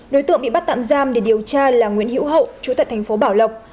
đối tượng bị bắt tạm giam để điều tra là nguyễn hữu hậu chú tại tp bảo lộc